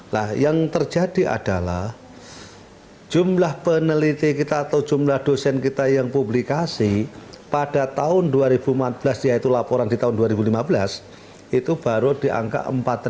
nah yang terjadi adalah jumlah peneliti kita atau jumlah dosen kita yang publikasi pada tahun dua ribu empat belas yaitu laporan di tahun dua ribu lima belas itu baru di angka empat ratus